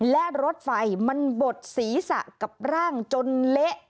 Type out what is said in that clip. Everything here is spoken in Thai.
และรถไฟมันบดศีรษะกับร่างจนเละ